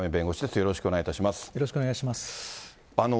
よろしくお願いします。